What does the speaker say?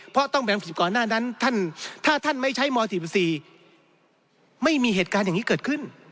เพราะต้องแบ่งผิดก่อนหน้านั้นถ้าท่านไม่ใช้ม๔๔ไม่มีเหตุการณ์อย่างนี้เกิดขึ้น